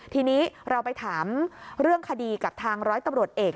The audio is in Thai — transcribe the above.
ทีนี้เราไปถามเรื่องคดีกับทางร้อยตำรวจเอก